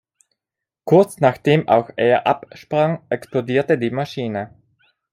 Kurz nachdem auch er absprang, explodierte die Maschine.